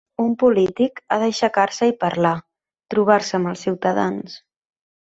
Un polític ha d’aixecar-se i parlar, trobar-se amb els ciutadans.